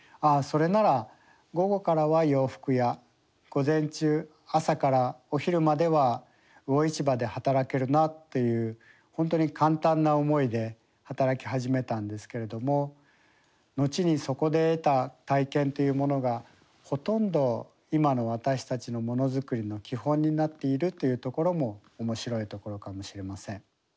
それなら午後からは洋服屋午前中朝からお昼までは魚市場で働けるなっていう本当に簡単な思いで働き始めたんですけれども後にそこで得た体験というものがほとんど今の私たちのものづくりの基本になっているというところも面白いところかもしれません。